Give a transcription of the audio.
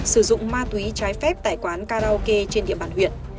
sử dụng ma túy trái phép tại quán karaoke trên địa bàn huyện